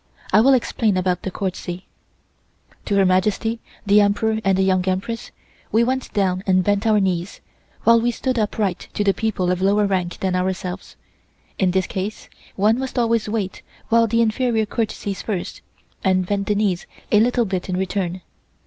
(I will explain about the courtesy.) (To Her Majesty, the Emperor and the Young Empress, we went down and bent our knees, while we stood upright to the people of lower rank than ourselves. In this case one must always wait while the inferior courtesies first, and bend the knees a little bit in return.